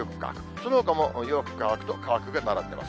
そのほかもよく乾くと乾くが並んでます。